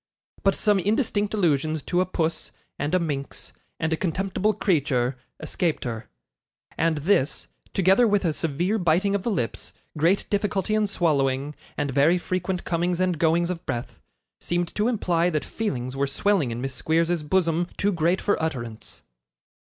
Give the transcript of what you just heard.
But some indistinct allusions to a 'puss,' and a 'minx,' and a 'contemptible creature,' escaped her; and this, together with a severe biting of the lips, great difficulty in swallowing, and very frequent comings and goings of breath, seemed to imply that feelings were swelling in Miss Squeers's bosom too great for utterance.